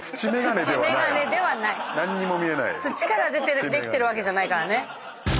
土からできてるわけじゃないからね。